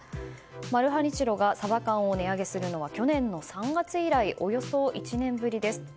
マルハニチロがサバ缶を値上げするのは去年の３月以来およそ１年ぶりです。